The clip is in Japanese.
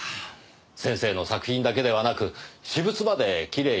先生の作品だけではなく私物まできれいに保存されている。